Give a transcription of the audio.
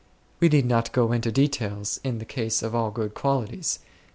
We need not go into details in \the case of all good qualities.